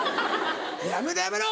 「やめろやめろ